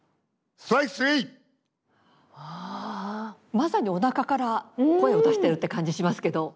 まさにおなかから声を出してるって感じしますけど。